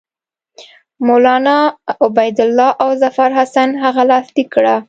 مولنا عبیدالله او ظفرحسن هغه لاسلیک کړه.